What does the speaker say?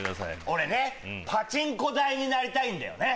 俺ねパチンコ台になりたいんだよね